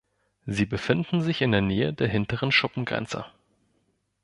Sie befinden sich in der Nähe der hinteren Schuppengrenze.